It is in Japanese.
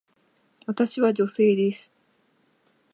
私は女性です。